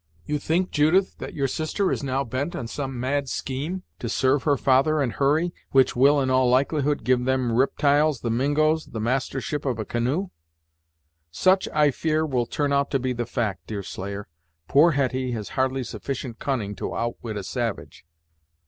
"You think, Judith, that your sister is now bent on some mad scheme to serve her father and Hurry, which will, in all likelihood, give them riptyles the Mingos, the mastership of a canoe?" "Such, I fear, will turn out to be the fact, Deerslayer. Poor Hetty has hardly sufficient cunning to outwit a savage."